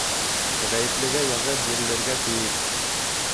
— Ғәйеплегә яза бирелергә тейеш.